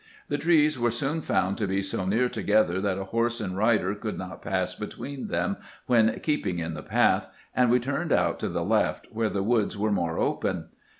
The trees were soon found to be so near together that a horse and rider could not pass between them when keeping in the path, and we turned out to the left, where the woods were more open.